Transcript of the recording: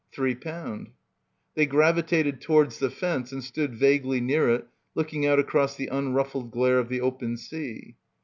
"Three pound." They gravitated towards the fence and stood vaguely near it looking out across the unruffled glare of the open sea.